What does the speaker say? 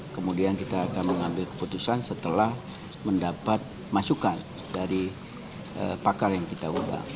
kemudian kita akan mengambil keputusan setelah mendapat masukan dari pakar yang kita ubah